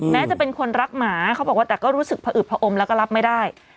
จะเป็นคนรักหมาเขาบอกว่าแต่ก็รู้สึกผอึบผอมแล้วก็รับไม่ได้